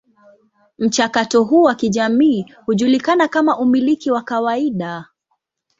Mchakato huu wa kijamii hujulikana kama umiliki wa kawaida.